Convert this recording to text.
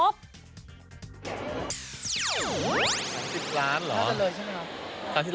๓๐ล้านหรอ